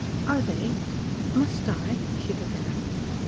"Are they must I?" she began.